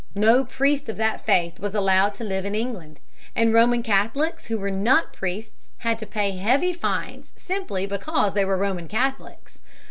No priest of that faith was allowed to live in England. And Roman Catholics who were not priests had to pay heavy fines simply because they were Roman Catholics.